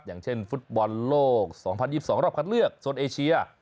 อย่างเช่นฟุตบอลโลก๒๐๒๒รอบคัดเลือกโซนเอเชีย